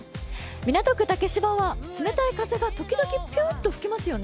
港区竹芝は冷たい風が時々、ぴゅーっと吹きますよね。